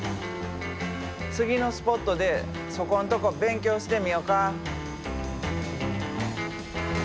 次のスポットでそこんとこ勉強してみよか。